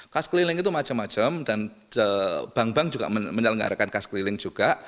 kas keliling itu macam macam dan bank bank juga menyelenggarakan kas keliling juga